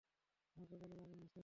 আমাকে বল - মারবেন না স্যার।